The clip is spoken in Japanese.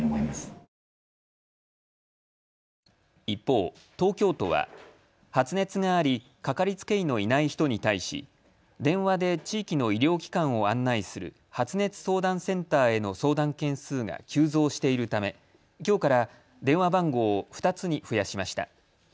一方、東京都は発熱があり、かかりつけ医のいない人に対し電話で地域の医療機関を案内する発熱相談センターへの相談件数が急増しているためきょうから電話番号を２つに増やしました。